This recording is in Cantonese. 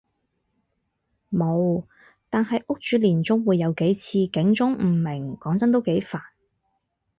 無，但係屋主年中會有幾次警鐘誤鳴，講真都幾煩